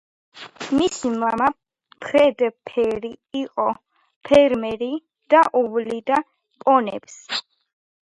მისი მამა, ფრედ ფერი, იყო ფერმერი და უვლიდა პონებს.